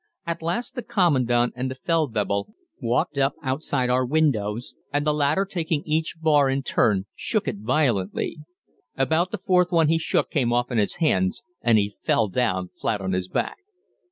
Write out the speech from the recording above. At last the Commandant and the Feldwebel walked up outside our windows, and the latter taking each bar in turn shook it violently. About the fourth one he shook came off in his hands and he fell down flat on his back.